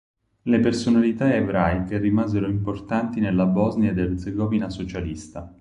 Le personalità ebraiche rimasero importanti nella Bosnia ed Erzegovina socialista.